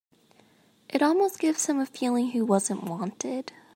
It almost gives him a feeling he wasn't wanted.